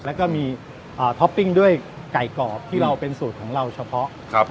แล้วก็มีท็อปปิ้งด้วยไก่กรอบที่เราเป็นสูตรของเราเฉพาะครับ